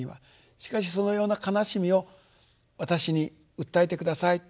しかしそのような悲しみを私に訴えて下さいと。